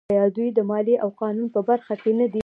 آیا دوی د مالیې او قانون په برخه کې نه دي؟